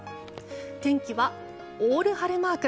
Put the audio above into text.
天気はオール晴れマーク。